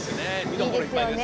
いいですよね